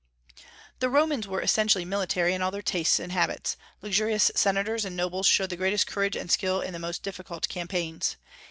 The Romans were essentially military in all their tastes and habits. Luxurious senators and nobles showed the greatest courage and skill in the most difficult campaigns.